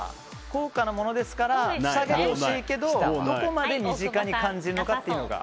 高価なものですから下げてほしいけど、どこまで身近に感じるかというのが。